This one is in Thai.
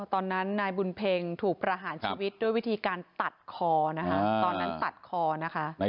ตอนนั้นนายบุญเพ็งถูกประหารชีวิตด้วยวิธีการตัดคอนะคะตอนนั้นตัดคอนะคะ